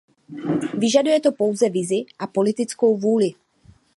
Vyžaduje to pouze vizi a politickou vůli.